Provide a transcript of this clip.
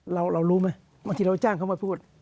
เรารู้ไหมบางทีเราจ้างเขามาพูด